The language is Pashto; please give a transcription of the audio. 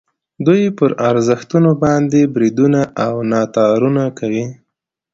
دوی پر ارزښتونو باندې بریدونه او ناتارونه کوي.